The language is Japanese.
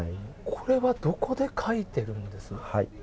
これはどこで書いてるんです？